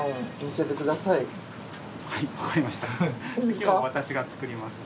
今日は私が作ります。